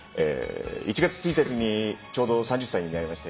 １月１日にちょうど３０歳になりまして。